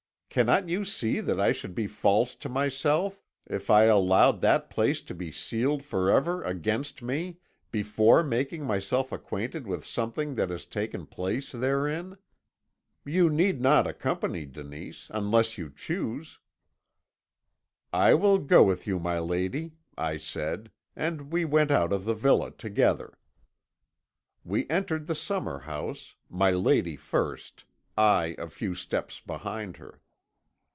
Cannot you see that I should be false to myself if I allowed that place to be sealed forever against me, before making myself acquainted with something that has taken place therein? You need not accompany me, Denise, unless you choose.' "'I will go with you, my lady,' I said, and we went out of the villa together. "We entered the summer house, my lady first, I a few steps behind her.